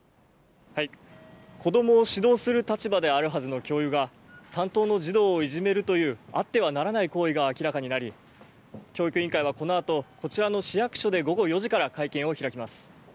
子どもを指導する立場であるはずの教諭が、担当の児童をいじめるという、あってはならない行為が明らかになり、教育委員会はこのあと、こちらの市役所で午後４時から会見を開きます。